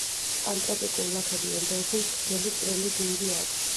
პანტროპიკულ ლაქებიან დელფინს გრძელი, წვრილი დინგი აქვს.